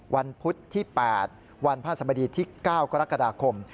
พุธที่๘วันพระสมดีที่๙กรกฎาคม